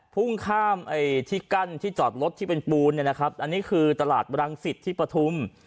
พุ่งข้ามที่กั้นที่จอดรถที่เป็นปูนเนี่ยนะครับอันนี้คือตลาดรังสิตที่ปฐุม